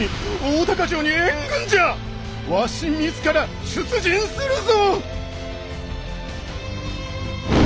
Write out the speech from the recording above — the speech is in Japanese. わし自ら出陣するぞ！